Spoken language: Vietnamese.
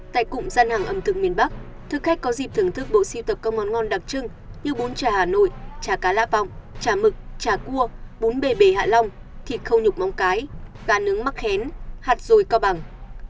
tại cụm gian hàng ẩm thực miền bắc thức khách có dịp thưởng thức bộ siêu tập các món ngon đặc trưng như bún chả hà nội chả cá lá vòng chả mực chả cua bún bề bề hạ long thịt khâu nhục móng cái cá nướng mắc hén hạt dồi co bằng